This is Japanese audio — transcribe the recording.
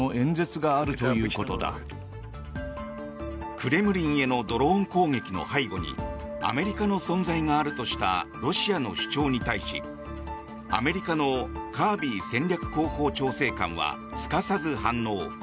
クレムリンへのドローン攻撃の背後にアメリカの存在があるとしたロシアの主張に対しアメリカのカービー戦略広報調整官はすかさず反応。